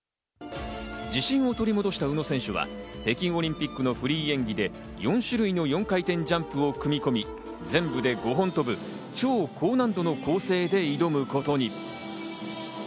自信を取り戻した宇野選手は北京オリンピックのフリー演技で４種類の４回転ジャンプを組み込み、全部で５本跳ぶ超高難度の構成で挑むことに。